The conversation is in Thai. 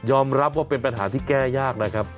รับว่าเป็นปัญหาที่แก้ยากนะครับ